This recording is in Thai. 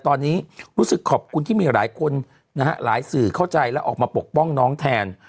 ตอนนี้รู้สึกขอบคุณที่มีหลายคนนะฮะหลายสื่อเข้าใจและออกมาปกป้องน้องแทน